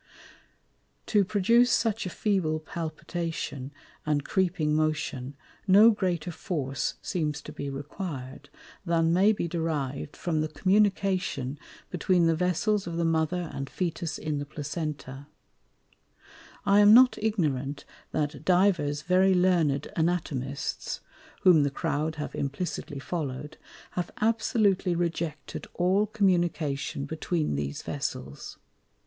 To produce such a feeble Palpitation, and creeping Motion, no greater force seems to be required, than may be deriv'd from the Communication between the Vessels of the Mother and Fœtus in the Placenta. I am not ignorant, that divers very Learned Anatomists (whom the Crowd have implicitly follow'd) have absolutely rejected all Communication between these Vessels.